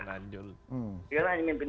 karena hanya memimpin